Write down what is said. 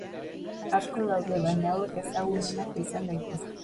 Asko daude baina hauek ezagunenak izan daitezke.